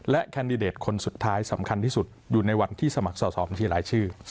และแคนดิเดตคนสุดท้ายสำคัญที่สุดอยู่ในวันที่สมัครสอบบัญชีรายชื่อ